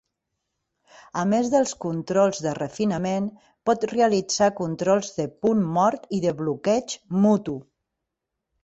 A més dels controls de refinament, pot realitzar controls de punt mort i de bloqueig mutu.